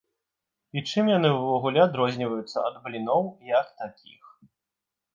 І чым яны ўвогуле адрозніваюцца ад бліноў як такіх?